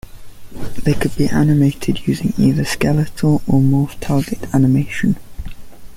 They could be animated using either skeletal or morph target animation.